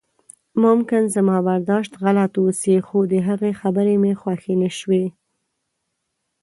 ممکن زما برداشت غلط اوسي خو د هغې خبرې مې خوښې نشوې.